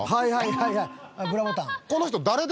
「はいはいブラボタン」